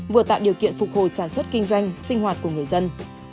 vừa tạo điều kiện phục hồi sản xuất kinh doanh sinh hoạt của người dân